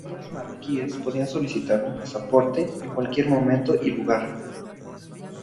Los ciudadanos marroquíes pueden solicitar un pasaporte en cualquier momento y lugar.